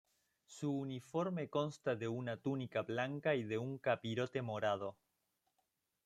Su uniforme consta de una túnica blanca y de un capirote morado.